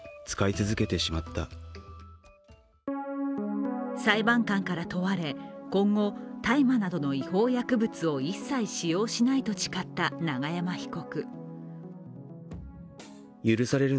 そのうえで裁判官から問われ、今後大麻などの違法薬物を一切使用しないと誓った永山被告。